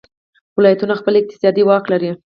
ولایتونه خپل اقتصادي واک لري.